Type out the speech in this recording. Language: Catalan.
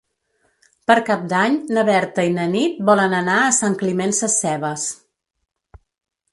Per Cap d'Any na Berta i na Nit volen anar a Sant Climent Sescebes.